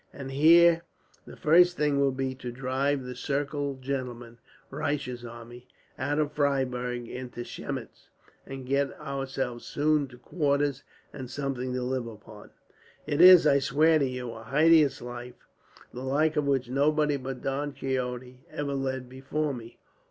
And here the first thing will be to drive the Circle gentlemen (Reich's army) out of Freyberg into Chemnitz, and get ourselves soon to quarters, and something to live upon. "It is, I swear to you, a hideous life; the like of which nobody but Don Quixote ever led before me.